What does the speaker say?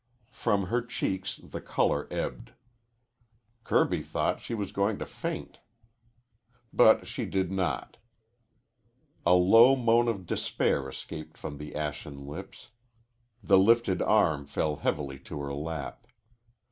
From her cheeks the color ebbed. Kirby thought she was going to faint. But she did not. A low moan of despair escaped from the ashen lips. The lifted arm fell heavily to her lap.